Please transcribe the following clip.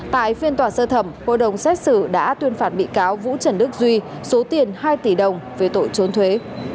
tại phiên tòa sơ thẩm hội đồng xét xử đã tuyên phạt bị cáo vũ trần đức duy số tiền hai tỷ đồng về tội trốn thuế